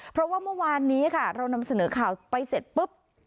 เพราะว่าเมื่อวานนี้ค่ะเรานำเสนอข่าวไปเสร็จปุ๊บ